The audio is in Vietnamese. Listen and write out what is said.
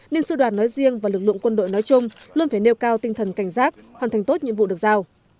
nên sư đoàn nói riêng và lực lượng quân đội nói chung luôn phải nêu cao tinh thần cảnh giác hoàn thành tốt nhiệm vụ được giao